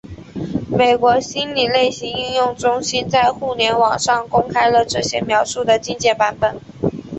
美国心理类型应用中心在互联网上公开了这些描述的精简版本。